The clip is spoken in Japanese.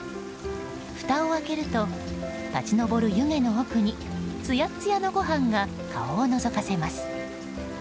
ふたを開けると立ち上る湯気の奥につやつやのご飯が顔をのぞかせます。